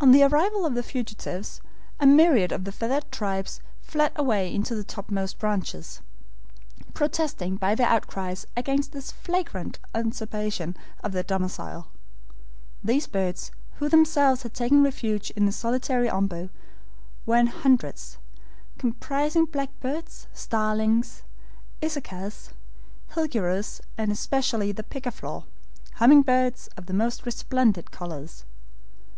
On the arrival of the fugitives a myriad of the feathered tribes fled away into the topmost branches, protesting by their outcries against this flagrant usurpation of their domicile. These birds, who themselves had taken refuge in the solitary OMBU, were in hundreds, comprising blackbirds, starlings, isacas, HILGUEROS, and especially the pica flor, humming birds of most resplendent colors.